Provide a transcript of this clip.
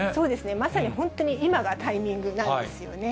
まさに本当に、今がタイミングなんですよね。